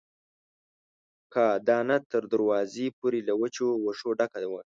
کاه دانه تر دروازې پورې له وچو وښو ډکه وه.